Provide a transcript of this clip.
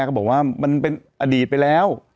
ก็บอกว่ามันเป็นอดีตไปแล้ว